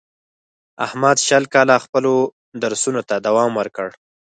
احمد شل کاله خپلو درسونو ته دوام ورکړ.